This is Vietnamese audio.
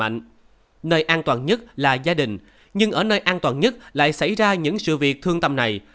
nơi an toàn nhất là gia đình nhưng ở nơi an toàn nhất lại xảy ra những sự việc thương tâm này